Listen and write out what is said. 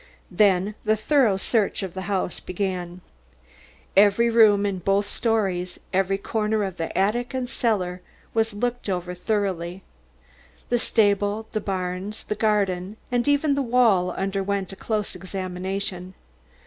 Then the thorough search of the house began. Every room in both stories, every corner of the attic and the cellar, was looked over thoroughly. The stable, the barns, the garden and even the well underwent a close examination.